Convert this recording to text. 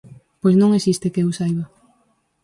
Pois non existe, que eu saiba.